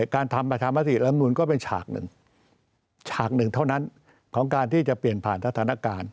การทำประชามติลำนูลก็เป็นฉากหนึ่งฉากหนึ่งเท่านั้นของการที่จะเปลี่ยนผ่านสถานการณ์